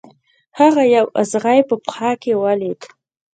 هغه یو اغزی په پښه کې ولید.